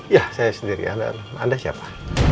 ya saya sendiri anda siapa